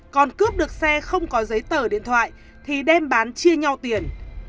còn cướp được xe không có giấy tờ điện thoại thì đem bán chia nhau tiền